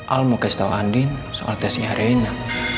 al mau kasih tau andin soal tesnya rina